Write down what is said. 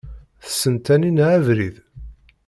Tessen Taninna abrid?